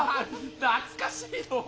懐かしいのう。